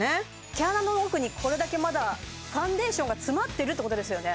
毛穴の奥にこれだけまだファンデーションが詰まってるってことですよね